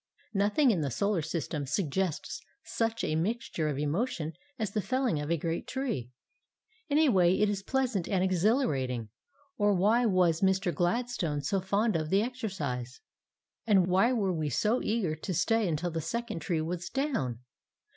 Nothing in the solar system suggests such a mixture of emotion as the felling of a great tree. In a way, it is pleasant and exhilarating, or why was Mr. Gladstone so fond of the exercise? And why were we so eager to stay until the second tree was down?